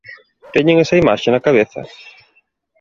Teñen esa imaxe na cabeza?